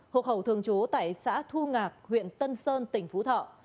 hộ khẩu thường chú tại xã thu ngạc huyện tân sơn tỉnh phú thỏ